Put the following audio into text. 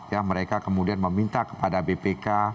ya mereka kemudian meminta kepada bpk